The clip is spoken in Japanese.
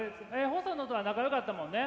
ホソノとは仲よかったもんね？